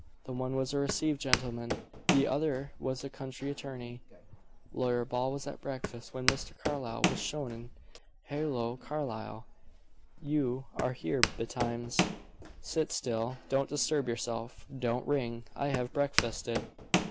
The one was a received gentleman; the other was a country attorney. Lawyer Ball was at breakfast when Mr. Carlyle was shown in. "Halloo, Carlyle! You are here betimes." "Sit still; don't disturb yourself. Don't ring; I have breakfasted."